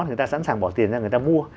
người ta sẵn sàng bỏ tiền ra người ta mua